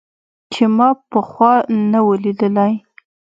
چې ما پخوا نه و ليدلى.